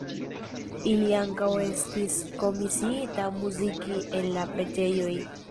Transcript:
Ili ankaŭ estis komisiita muziki en la preĝejoj.